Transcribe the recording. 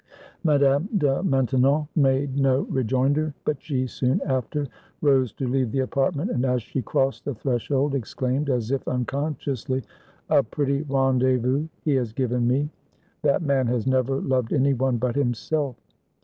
Madame de Maintenon made no rejoinder; but she soon after rose to leave the apartment, and as she crossed the threshold, exclaimed, as if unconsciously, "A pretty rendezvous he has given me! That man has never loved any one but himself."